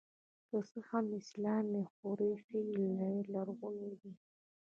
که څه هم اسلامي دی خو ریښې یې لرغونې دي